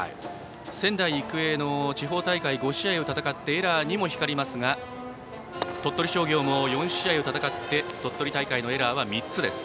仙台育英の地方大会５試合を戦ってエラー２も光りますが鳥取商業も４試合を戦って鳥取大会のエラーは３つです。